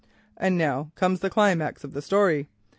"And now comes the climax of the story.